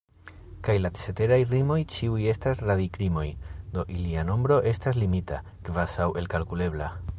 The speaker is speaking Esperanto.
Kaj la ceteraj rimoj ĉiuj estas radikrimoj, do ilia nombro estas limita, kvazaŭ elkalkulebla.